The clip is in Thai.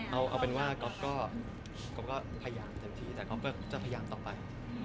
เอาเป็นว่าก๊อฟก็พยายามเต็มที่แต่ก๊อฟก็จะพยายามต่อไป